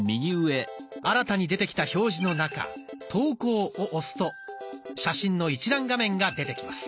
新たに出てきた表示の中「投稿」を押すと写真の一覧画面が出てきます。